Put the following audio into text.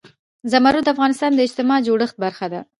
زمرد د افغانستان د اجتماعي جوړښت برخه ده.